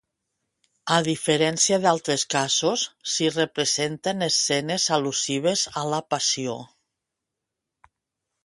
A diferència d'altres casos, s'hi representen escenes al·lusives a la Passió.